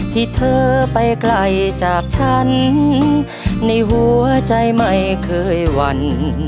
ที่เธอไปไกลจากฉันในหัวใจไม่เคยหวั่น